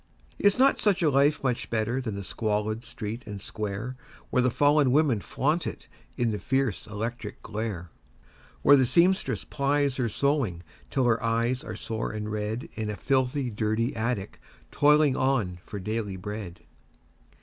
Is not such a life much better than the squalid street and square Where the fallen women flaunt it in the fierce electric glare, Where the sempstress plies her sewing till her eyes are sore and red In a filthy, dirty attic toiling on for daily bread?